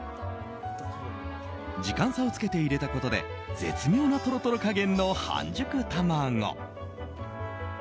時間差をつけて入れたことで絶妙なトロトロ加減の半熟卵。